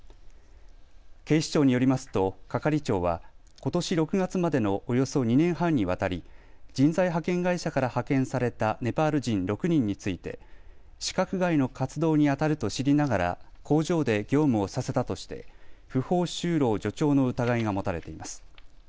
警視庁によりますと、係長はことし６月までのおよそ２年半にわたり人材派遣会社から派遣されたネパール人６人について資格外の活動にあたると知りながら工場で業務をさせたとして不法就労助長の疑いが持たれています。